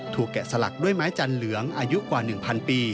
แกะสลักด้วยไม้จันเหลืองอายุกว่า๑๐๐ปี